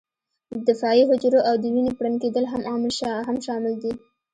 د دفاعي حجرو او د وینې پړن کېدل هم شامل دي.